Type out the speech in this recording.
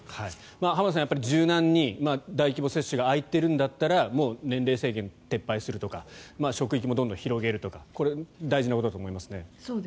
浜田さん、柔軟に大規模接種が空いているんだったらもう年齢制限を撤廃するとか職域もどんどん広げるとかこれ、大事なことだと思いますね。